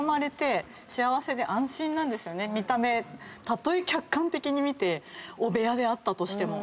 たとえ客観的に見て汚部屋であったとしても。